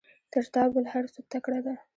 تر تا بل هر څوک تکړه ده.